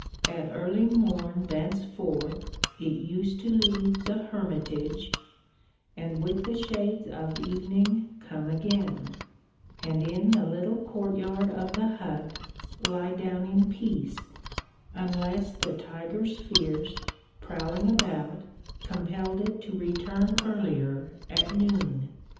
At early morn Thenceforth it used to leave the hermitage And with the shades of evening come again, And in the little courtyard of the hut Lie down in peace, unless the tigers fierce, Prowling about, compelled it to return Earlier at noon.